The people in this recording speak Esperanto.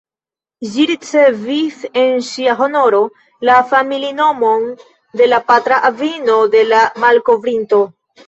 Ĝi ricevis, en ŝia honoro, la familinomon de la patra avino de la malkovrinto.